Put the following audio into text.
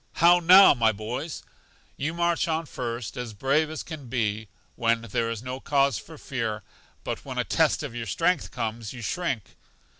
How now, my boys! You march on first, as brave as can be, when there is no cause for fear; but when a test of your strength comes, you shrink.